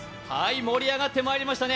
盛り上がってまいりましたね